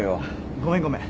ごめんごめん。